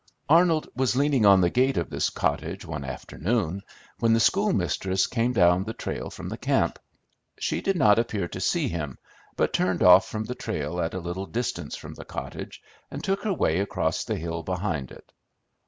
Arnold was leaning on the gate of this cottage, one afternoon, when the schoolmistress came down the trail from the camp. She did not appear to see him, but turned off from the trail at a little distance from the cottage, and took her way across the hill behind it.